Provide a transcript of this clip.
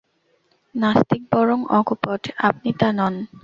নাস্তিক বরং অকপট, আপনি তা নন।